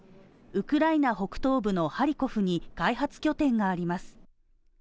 ウクライナ北東部のハリコフに開発拠点があります。